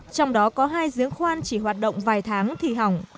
trong đó có hai giếng khoan chỉ hoạt động vài tháng thì hỏng